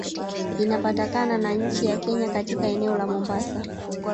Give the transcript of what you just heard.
Inapatakana na nchi ya kenya katika eneo la mombasa